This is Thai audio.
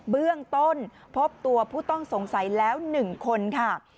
เบื้องต้นพบตัวผู้ต้องสงสัยแล้ว๑คนค่ะ